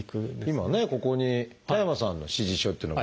今ここに田山さんの指示書というのが。